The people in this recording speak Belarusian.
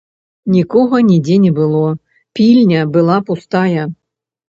Нікога нідзе не было, пільня была пустая.